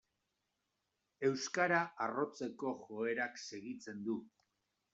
Euskara arrotzeko joerak segitzen du.